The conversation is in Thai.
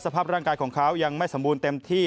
สภาพร่างกายของเขายังไม่สมบูรณ์เต็มที่